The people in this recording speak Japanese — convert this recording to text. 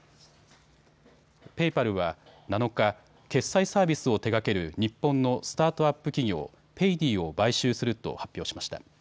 ペイパルは７日、決済サービスを手がける日本のスタートアップ企業、ペイディを買収すると発表しました。